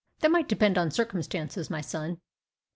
"That might depend on circumstances, my son."